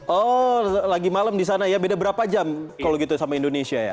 oh lagi malam di sana ya beda berapa jam kalau gitu sama indonesia ya